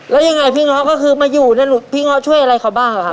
แล้วยังไงพี่น้องก็คือมาอยู่พี่น้องช่วยอะไรเขาบ้างหรือครับ